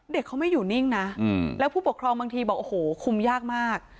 เด็กเขาไม่อยู่นิ่งนะแล้วผู้ปกครองบางทีบอกโอ้โหคุมยากมาก